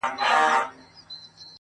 د اباسین څپې دي یوسه کتابونه!